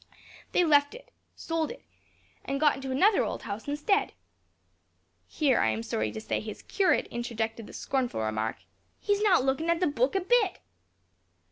They left it sold it and got into another old house instead." Here, I am sorry to say, his curate interjected the scornful remark, "He's not lookin' in the book a bit!"